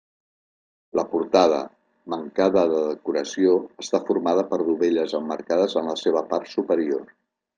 La portada, mancada de decoració, està formada per dovelles emmarcades en la seva part superior.